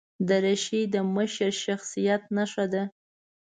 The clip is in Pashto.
دریشي د مشر شخصیت نښه ده.